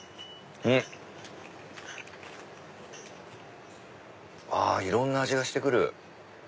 うん！あいろんな味がして来る。